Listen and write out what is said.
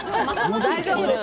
大丈夫です。